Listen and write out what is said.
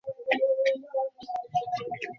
হাঁটু গেঁড়ে বসতে পারবে একটু, সোনা?